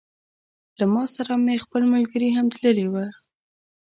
له ما سره مې خپل ملګري هم تللي وه.